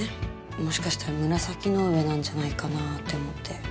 もしかしたら紫の上なんじゃないかなって思って。